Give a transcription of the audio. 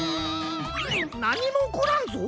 なにもおこらんぞ。